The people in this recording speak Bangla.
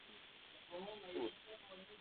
তবে পূর্বেকার সাফল্যে আর যেতে পারেননি।